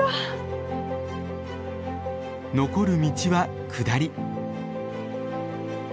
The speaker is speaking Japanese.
残る道は下り。